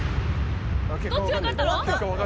どっちが勝ったの！？